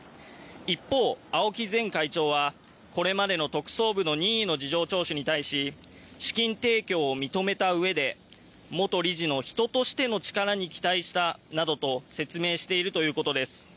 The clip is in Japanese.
一方、青木前会長はこれまでの特捜部の任意の事情聴取に対し資金提供を認めたうえで元理事の人としての力に期待したなどと説明しているということです。